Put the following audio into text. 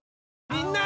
みんな！